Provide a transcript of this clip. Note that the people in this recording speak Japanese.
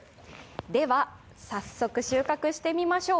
では、早速収穫してみましょう。